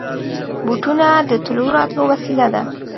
بوټونه د تلو راتلو وسېله ده.